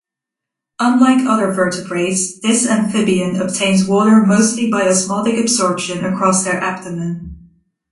Unlike other vertebrates, this amphibian obtains water mostly by osmotic absorption across their abdomen.